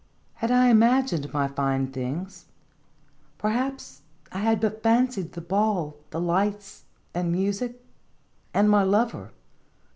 Had I imagined my fine things? Perhaps I had but fancied the ball, the lights, and music, and my lover